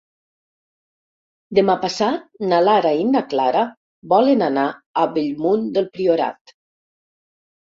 Demà passat na Lara i na Clara volen anar a Bellmunt del Priorat.